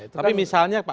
tapi misalnya pak